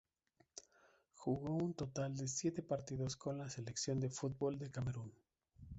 Jugó un total de siete partidos con la selección de fútbol de Camerún.